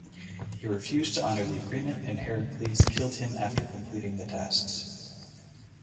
He refused to honour the agreement, and Heracles killed him after completing the tasks.